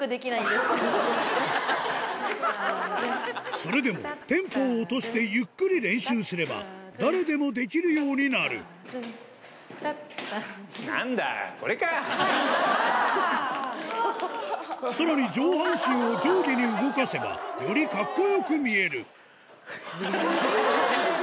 それでもテンポを落としてゆっくり練習すれば誰でもできるようになるさらに上半身を上下に動かせばより格好良く見えるハハハハ。